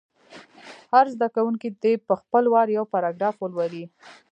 هر زده کوونکی دې په خپل وار یو پاراګراف ولولي.